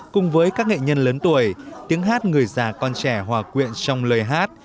cùng với các nghệ nhân lớn tuổi tiếng hát người già con trẻ hòa quyện trong lời hát